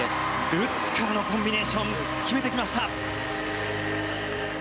ルッツからのコンビネーション決めてきました。